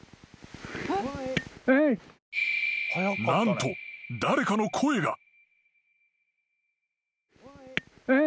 ［何と誰かの声が］